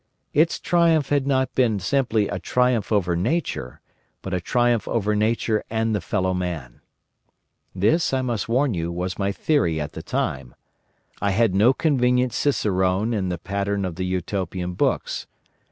Its triumph had not been simply a triumph over Nature, but a triumph over Nature and the fellow man. This, I must warn you, was my theory at the time. I had no convenient cicerone in the pattern of the Utopian books.